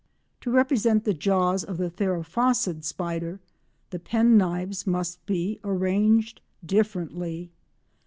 To represent the jaws of a theraphosid spider the penknives must be arranged differently.